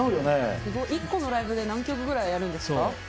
１個のライブで何曲ぐらいやるんですか？